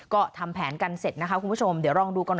ก็ทำแผนกันเสร็จนะคะคุณผู้ชมเดี๋ยวลองดูกันหน่อย